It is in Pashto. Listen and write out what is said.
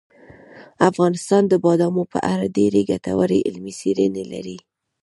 افغانستان د بادامو په اړه ډېرې ګټورې علمي څېړنې لري.